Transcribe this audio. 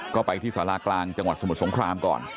ก็ไปที่สารากลางจังหวัดสมุทรสงครามก่อน